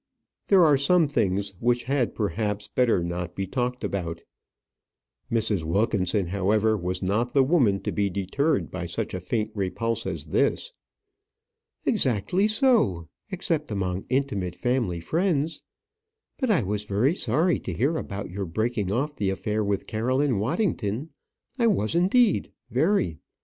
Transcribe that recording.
"There are some things which had, perhaps, better not be talked about." Mrs. Wilkinson, however, was not the woman to be deterred by such a faint repulse as this. "Exactly so; except among intimate family friends. But I was very sorry to hear about your breaking off the affair with Caroline Waddington. I was, indeed; very.